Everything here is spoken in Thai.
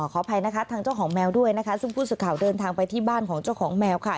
ขออภัยนะคะทางเจ้าของแมวด้วยนะคะซึ่งผู้สื่อข่าวเดินทางไปที่บ้านของเจ้าของแมวค่ะ